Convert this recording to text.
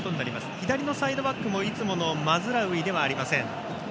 左のサイドバックもいつものマズラウィではありません。